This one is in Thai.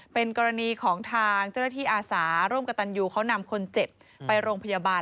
เป็นกรณีของทางเจ้าหน้าที่อาสาร่วมกับตันยูเขานำคนเจ็บไปโรงพยาบาล